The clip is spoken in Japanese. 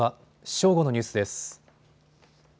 正午のニュースです。